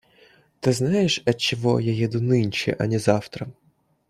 Ты знаешь, отчего я еду нынче, а не завтра?